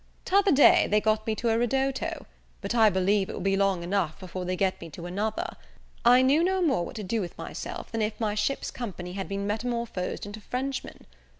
T'other day they got me to a ridotto: but, I believe, it will be long enough before they get me to another. I knew no more what to do with myself, than if my ship's company had been metamorphosed into Frenchman.